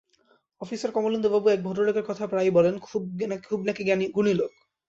অফিসের কমলেন্দুবাবু এক ভদ্রলোকের কথা প্রায়ই বলেন, খুব নাকি গুণী লোক।